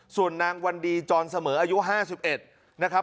ส่วนนางวันดีจรเสมออายุห้าสิบเอ็ดนะครับ